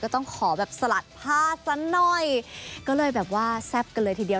ต้องขอแบบสลัดผ้าสักหน่อยก็เลยแบบว่าแซ่บกันเลยทีเดียว